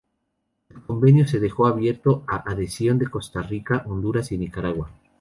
El convenio se dejó abierto a la adhesión de Costa Rica, Honduras y Nicaragua.